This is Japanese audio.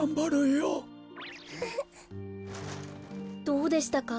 どうでしたか？